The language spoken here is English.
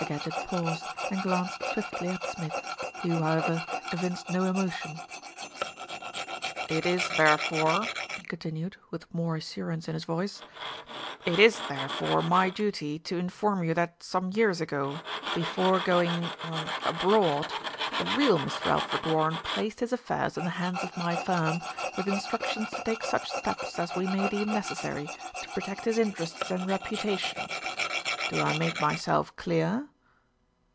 Gadgett paused, and glanced swiftly at Smith, who, however, evinced no emotion. "It is, therefore," he continued, with more assurance in his voice, "it is, therefore, my duty to inform you that some years ago, before going er abroad, the real Mr. Alfred Warren placed his affairs in the hands of my firm, with instructions to take such steps as we may deem necessary to protect his interests and reputation. Do I make myself clear?"